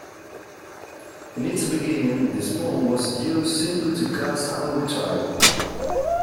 In its beginning, the spoon was used simply to cast and retrieve.